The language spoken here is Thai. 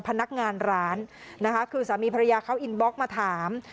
พนักงานร้านนะคะคือสามีภรรยาเขาอินบล็อกมาถาม